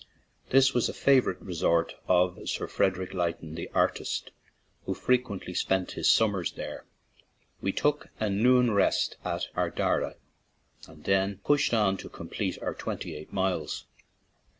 This was a favorite resort of Sir Frederick Leighton, the artist, who frequently spent his summers there. We took a noon rest at Ardara and then push ed on to complete our twenty eight miles.